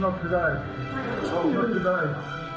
ไม่ไหวว่าวันไหน